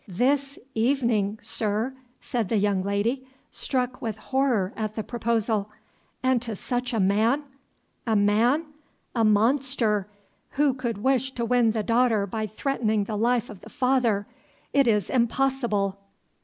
"This evening, sir?" said the young lady, struck with horror at the proposal "and to such a man! A man? a monster, who could wish to win the daughter by threatening the life of the father it is impossible!"